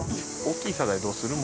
大きいサザエどうする？